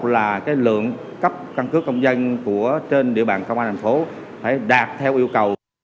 là cái lượng cấp căn cước công dân của trên địa bàn công an tp hcm phải đạt theo yêu cầu